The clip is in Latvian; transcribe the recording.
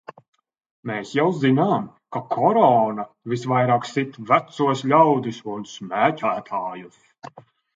Mēs jau zinām, ka Korona visvairāk sit vecos ļaudis un smēķētājus.